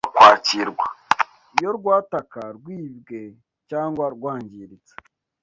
Iyo rwataka rwibwe cyangwa rwangiritse